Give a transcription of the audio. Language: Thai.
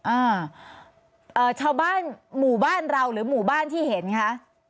อ่าเอ่อชาวบ้านหมู่บ้านเราหรือหมู่บ้านที่เห็นคะ